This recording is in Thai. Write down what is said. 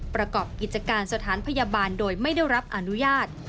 ประกอบกิจการสถานพยาบาลโดยไม่ได้รับอนุญาต